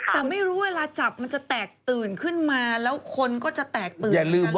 แต่ไม่รู้เวลาจับมันจะแตกตื่นขึ้นมาแล้วคนก็จะแตกตื่นอย่างนั้นหรือเปล่า